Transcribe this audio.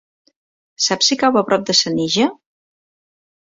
Saps si cau a prop de Senija?